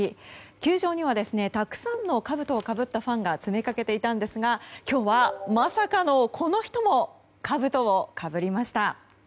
球場にはたくさんのかぶとをかぶったファンが詰めかけていたんですが今日はまさかの、この人もかぶとをかぶりました。